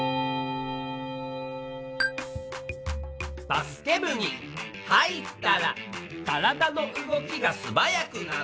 「バスケ部に入ったら」「体の動きがすばやくなって」